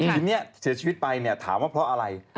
ทีนี้เสียชีวิตไปเนี่ยถามว่าเพราะอะไร